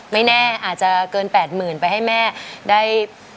ไม่แน่อาจจะเกิน๘๐๐๐ไปให้แม่ได้